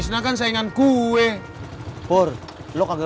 untuk ikutiiano sejak sampai tahun terakhir